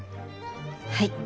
はい。